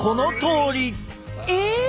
え！